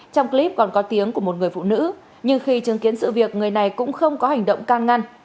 trong clip còn có tiếng của một người phụ nữ nhưng khi chứng kiến sự việc người này cũng không có hành động can ngăn